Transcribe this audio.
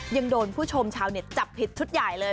ยังโดนผู้ชมชาวเน็ตจับผิดชุดใหญ่เลย